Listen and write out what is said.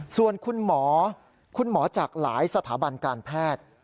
ส่วนคุณหมอคุณหมอจากหลายสถาบันการแพทย์